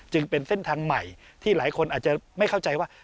เป็นเส้นทางใหม่ที่หลายคนอาจจะไม่เข้าใจว่า